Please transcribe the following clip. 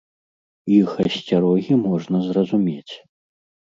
Іх асцярогі можна зразумець.